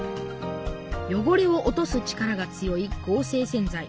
汚れを落とす力が強い合成洗剤。